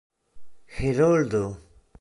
heroldo